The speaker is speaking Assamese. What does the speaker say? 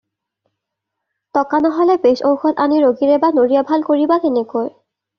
টকা নহলে বেজ ঔষধ আনি ৰোগীৰে বা নৰিয়া ভাল কৰিবা কেনেকৈ?